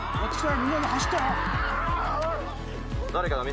みんなで走ったよ。